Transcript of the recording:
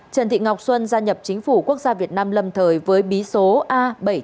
trần thị ngọc xuân gia nhập chính phủ quốc gia việt nam lâm thời với bí số a bảy trăm bốn mươi